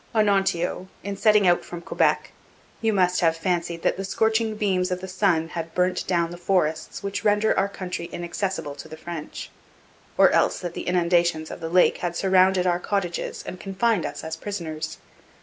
'Onontio, in setting out from Quebec, you must have fancied that the scorching beams of the sun had burnt down the forests which render our country inaccessible to the French; or else that the inundations of the lake had surrounded our cottages and confined us as prisoners.